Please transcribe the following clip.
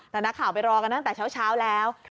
แต่นักข่าวไปรอกันตั้งแต่เช้าแล้ว